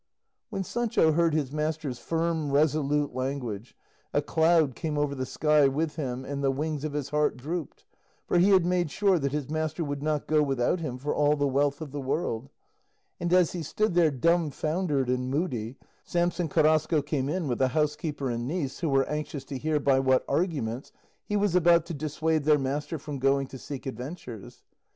When Sancho heard his master's firm, resolute language, a cloud came over the sky with him and the wings of his heart drooped, for he had made sure that his master would not go without him for all the wealth of the world; and as he stood there dumbfoundered and moody, Samson Carrasco came in with the housekeeper and niece, who were anxious to hear by what arguments he was about to dissuade their master from going to seek adventures.